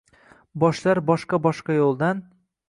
Boshlar boshqa-boshqa yo’ldan